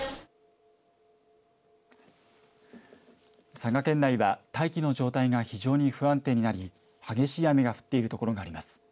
佐賀県内は大気の状態が非常に不安定になり激しい雨が降っているところがあります。